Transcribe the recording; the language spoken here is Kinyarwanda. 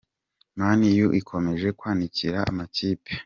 Mani yu ikomeje kwanikira andi makipe